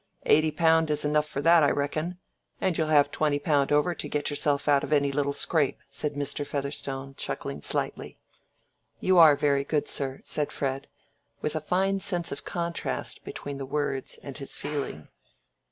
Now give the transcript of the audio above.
Eighty pound is enough for that, I reckon—and you'll have twenty pound over to get yourself out of any little scrape," said Mr. Featherstone, chuckling slightly. "You are very good, sir," said Fred, with a fine sense of contrast between the words and his feeling.